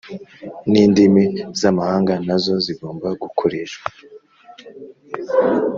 nindimi zamahanga nazo zigomba gukoreshwa